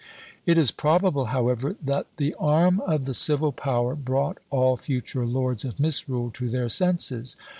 It is probable, however, that the arm of the civil power brought all future Lords of Misrule to their senses.